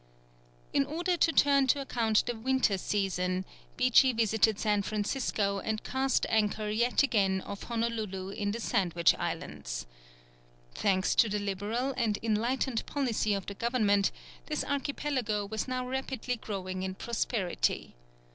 In order to turn to account the winter season, Beechey visited San Francisco and cast anchor yet again off Honolulu in the Sandwich Islands. Thanks to the liberal and enlightened policy of the government, this archipelago was now rapidly growing in prosperity.